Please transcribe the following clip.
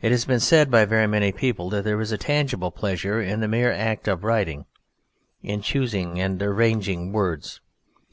It has been said by very many people that there is a tangible pleasure in the mere act of writing: in choosing and arranging words.